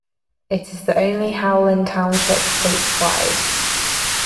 It is the only Howland Township statewide.